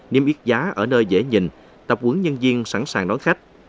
niêm yết giá ở nơi dễ nhìn tập quấn nhân viên sẵn sàng nói khách